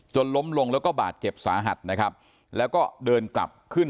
ล้มลงแล้วก็บาดเจ็บสาหัสนะครับแล้วก็เดินกลับขึ้น